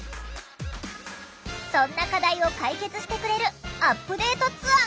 そんな課題を解決してくれるアップデートツアーがこちら！